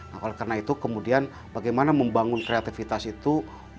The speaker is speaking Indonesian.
nah karena itu kemudian bagaimana membangun kreativitas itu